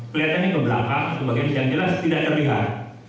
kelihatannya ke belakang ke bagian yang jelas tidak terlihat